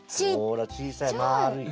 ほら小さいまるい。